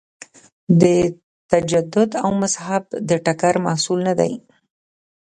د تجدد او مذهب د ټکر محصول نه دی.